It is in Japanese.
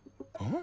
ん？